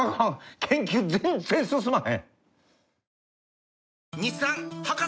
研究全然進まへん。